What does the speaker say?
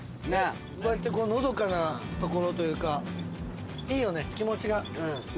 こうやってのどかな所というかいいよね気持ちが。